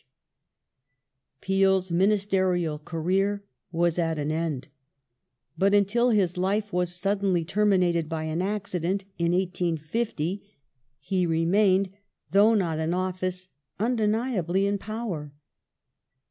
Character Peel's ministerial career was at an end : but until his life was of Peel suddenly terminated by an accident in 1850 he remained, though not in office, undeniably in power.